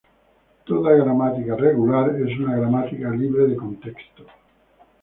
Toda gramática regular es una gramática libre de contexto.